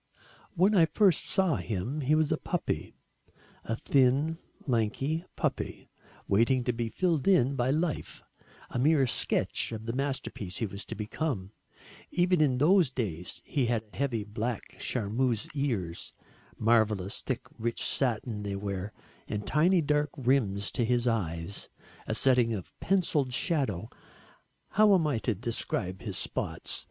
When I first saw him, he was a puppy a thin lanky puppy, waiting to be filled in by life, a mere sketch of the masterpiece he was to become. Even in those days he had heavy black charmeuse ears, marvellous thick rich satin they were, and tiny dark rims to his eyes a setting of pencilled shadow. How am I to describe his spots?